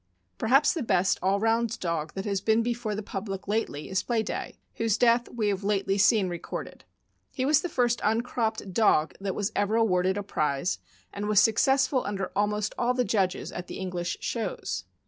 Perhaps the best all round dog that has been before the public lately is Playday, whose death we have lately seen recorded. He was the lirst uncropped dog that was ever awarded a prize, and was successful under almost all the judges at the English shows.